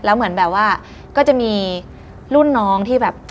แล้วเหมือนแบบว่าก็จะมีรุ่นน้องที่แบบ